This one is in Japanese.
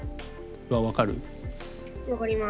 分かります。